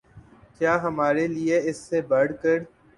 کیا ہمارے لیے اس سے بڑھ کر